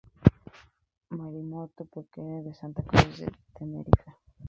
Marítimo-Pesquero de Santa Cruz de Tenerife.